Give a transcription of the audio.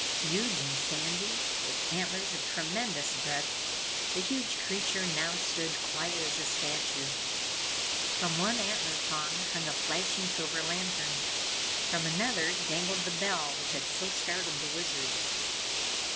Huge and sandy, with antlers of tremendous breadth, the huge creature now stood quiet as a statue. From one antler prong hung a flashing silver lantern. From another dangled the bell which had so startled the Wizard.